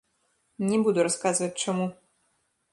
Не буду расказваць, чаму.